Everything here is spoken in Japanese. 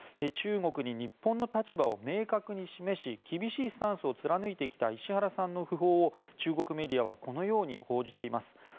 中国に日本の立場を明確に示し厳しいスタンスを貫いてきた石原さんの訃報を中国メディアはこのように報じています。